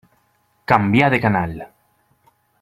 Canvià de canal.